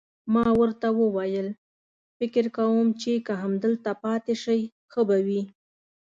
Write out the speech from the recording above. ما ورته وویل: فکر کوم چې که همدلته پاتې شئ، ښه به وي.